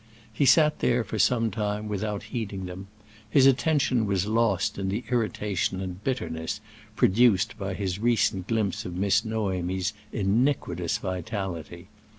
He sat there for some time without heeding them; his attention was lost in the irritation and bitterness produced by his recent glimpse of Miss Noémie's iniquitous vitality.